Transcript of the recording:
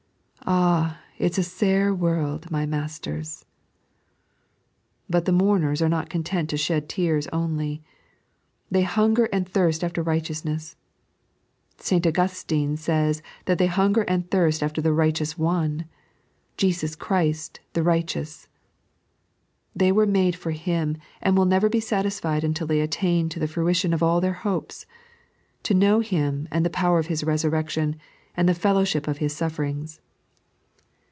"Ah, it's a sair world, my masters I " But the mourners are not content to shed tears only, they hiimger and thirst after righteousntss. St. Augustine says that they hunger and thirst after the Bighteous One —" Jesus Christ the Righteous." They were made for Him, and will never be satisfied until they attain to the fruition of all their hopes, to know Him, and the power of His resurrection, and the fellowship of His sufferings.